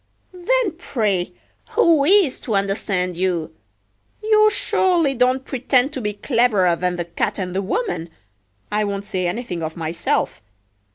Then pray who is to understand you? You surely don't pretend to be cleverer than the Cat and the woman—I won't say anything of myself.